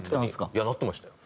いやなってましたよ。